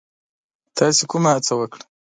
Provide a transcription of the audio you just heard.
تاسو کومه هڅه وکړه؟